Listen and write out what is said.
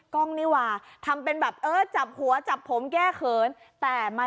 กล้องนี่ว่าทำเป็นแบบเออจับหัวจับผมแก้เขินแต่มา